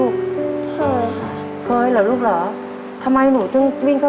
เป็นห่วงเขา